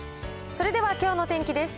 それではきょうの天気です。